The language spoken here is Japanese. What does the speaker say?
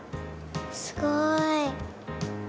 すごい。